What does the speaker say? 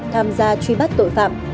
tham gia truy bắt tội phạm